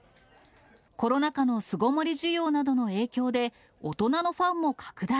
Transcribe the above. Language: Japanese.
コロナ禍の巣ごもり需要などの影響で、大人のファンも拡大。